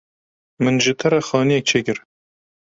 Min ji te re xaniyek çêkir.